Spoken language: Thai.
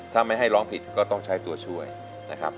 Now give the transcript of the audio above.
ถ้าไม่ให้ร้องผิดก็ต้องใช้ตัวช่วยนะครับ